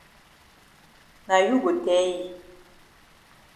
Na you go tell yi.